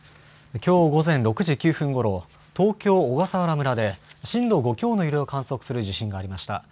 きょう午前６時９分ごろ、東京・小笠原村で、震度５強の揺れを観測する地震がありました。